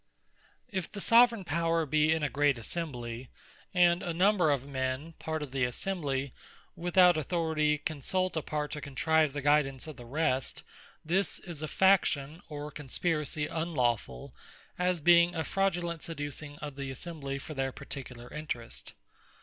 Secret Cabals If the Soveraign Power be in a great Assembly, and a number of men, part of the Assembly, without authority, consult a part, to contrive the guidance of the rest; This is a Faction, or Conspiracy unlawfull, as being a fraudulent seducing of the Assembly for their particular interest.